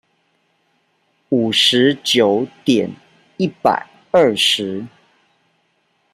五十九點一百二十